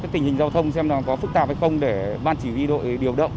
tình hình giao thông xem là có phức tạp hay không để ban chỉ huy đội điều động